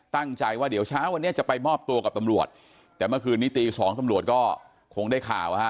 ตั้งใจว่าเดี๋ยวเช้าวันนี้จะไปมอบตัวกับตำรวจแต่เมื่อคืนนี้ตีสองตำรวจก็คงได้ข่าวฮะ